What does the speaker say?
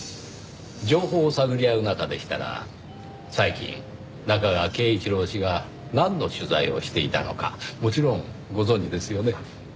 情報を探り合う仲でしたら最近中川敬一郎氏がなんの取材をしていたのかもちろんご存じですよね？